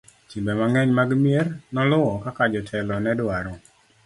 timbe mang'eny mag mier noluwo kaka jotelo nedwaro